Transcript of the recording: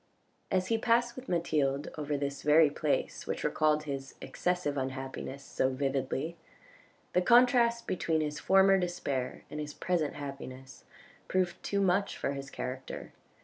As he passed with Mathilde over this very place which recalled his excessive unhappiness so vividly, the contrast between his former despair and his present happiness proved too much for his character.